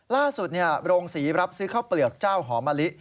โรงศรีรับซื้อข้าวเปลือกเจ้าหอมะลิ